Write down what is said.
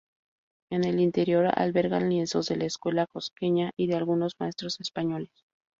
En el interior alberga lienzos de la Escuela Cusqueña y de algunos maestros españoles.